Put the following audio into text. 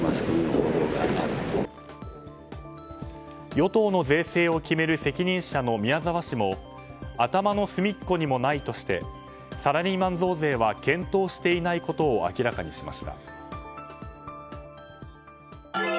与党の税制を決める責任者の宮沢氏も頭の隅っこにもないとしてサラリーマン増税は検討していないことを明らかにしました。